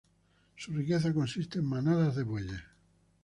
Su riqueza consiste en manadas de bueyes.